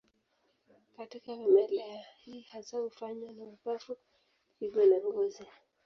Katika vimelea, hii hasa hufanywa na mapafu, figo na ngozi.